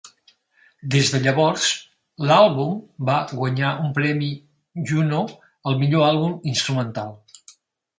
Des de llavors, l'àlbum va guanyar un premi Juno al millor àlbum instrumental.